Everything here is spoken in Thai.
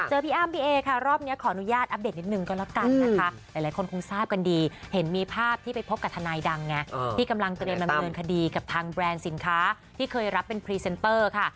เจอพี่อ้ำพี่เอค่ะรอบนี้ขออนุญาตอัปเดตนิดหนึ่งก็แล้วกันนะคะ